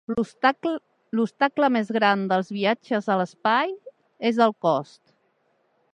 L'obstacle més gran dels viatges a l'espai és el cost.